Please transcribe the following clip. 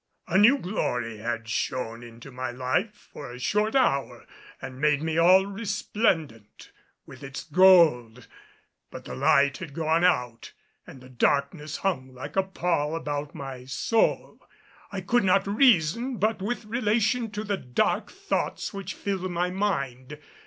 A new glory had shone into my life for a short hour and made me all resplendent with its gold but the light had gone out and the darkness hung like a pall about my soul. I could not reason but with relation to the dark thoughts which filled my mind.